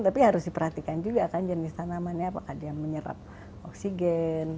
tapi harus diperhatikan juga kan jenis tanamannya apakah dia menyerap oksigen